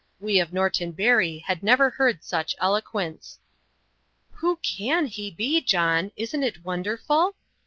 We of Norton Bury had never heard such eloquence. "Who CAN he be, John? Isn't it wonderful?"